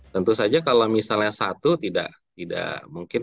tentu saja kalau misalnya satu tidak mungkin